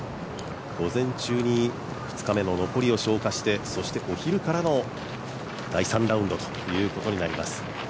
午前中に２日目の残りを消化してそして、お昼からの第３ラウンドということになります。